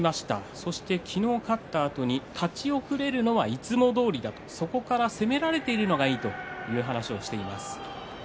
そして昨日、勝ったあとに立ち遅れるのはいつもどおりそこから攻められているのがいいと話をしていました。